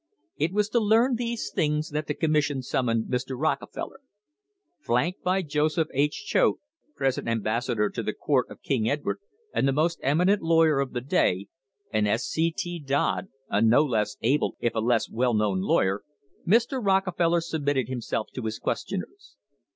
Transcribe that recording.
It was to learn these things that the commission summoned Mr. Rockefeller. Flanked by Joseph H. Choate, present Ambassador to the Court of King Edward and the most emi nent lawyer of the day, and S. C. T. Dodd, a no less able if a less well known lawyer, Mr. Rockefeller submitted him self to his questioners.